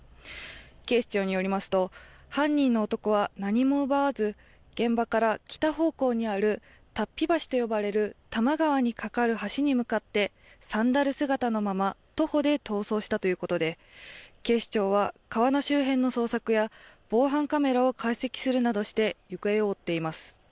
警視庁によりますと犯人の男は何も奪わず、現場から北方向にある、立日橋と呼ばれる多摩川に架かる橋に向かってサンダル姿のまま徒歩で逃走したということで警視庁は、川の周辺の捜索や防犯カメラを解析するなどして行方を追っています。